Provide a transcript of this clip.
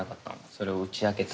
それを打ち明けた。